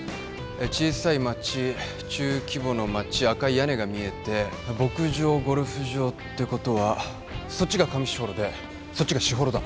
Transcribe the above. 小さい町中規模の町赤い屋根が見えて牧場ゴルフ場ってことはそっちが上士幌でそっちが士幌だ。